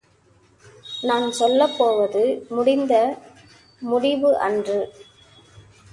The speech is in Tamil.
நான் சொல்லப்போவது முடிந்த முடிபு அன்று.